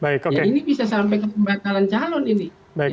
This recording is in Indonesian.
ini bisa sampai ke pembatalan calon ini